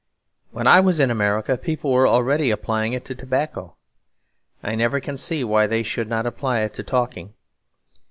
When I was in America, people were already applying it to tobacco. I never can see why they should not apply it to talking.